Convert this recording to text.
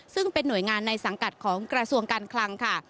ซึ่งเป็นหน่วยงานในสังกัดของกระทรวงการคลังค่ะ